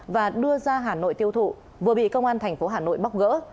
và đưa ra hà nội tiêu thụ vừa bị công an thành phố hà nội bóc gỡ